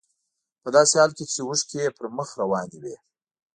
په داسې حال کې چې اوښکې يې پر مخ روانې وې.